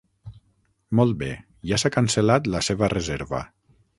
Molt bé, ja s'ha cancel·lat la seva reserva.